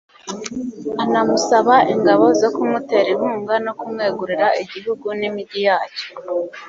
anamusaba ingabo zo kumutera inkunga no kumwegurira igihugu n'imigi yacyo